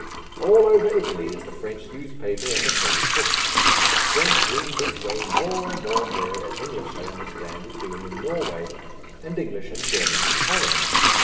All over Italy is the French newspaper and the French book. French wins its way more and more there, as English, I understand, is doing in Norway, and English and German in Holland.